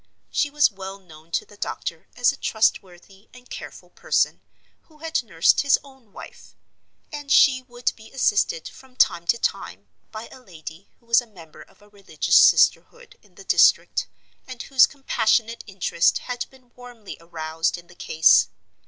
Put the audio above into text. She was well known to the doctor as a trustworthy and careful person, who had nursed his own wife; and she would be assisted, from time to time, by a lady who was a member of a religious Sisterhood in the district, and whose compassionate interest had been warmly aroused in the case.